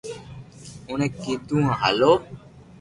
اوڻي ڪيڌو ھالو